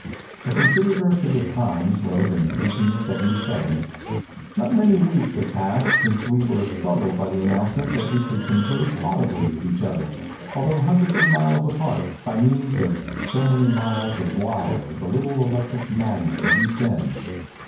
A contributor to the Times wrote in 1877: "Not many weeks have passed since we were startled by the announcement that we could converse audibly with each other, although hundreds of miles apart, by means of so many miles of wire with a little electric magnet at each end.